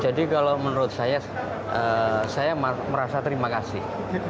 jadi kalau menurut saya saya merasa terima kasih